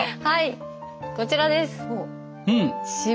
はいこちらです。